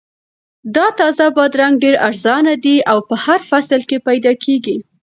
دا تازه بادرنګ ډېر ارزانه دي او په هر فصل کې پیدا کیږي.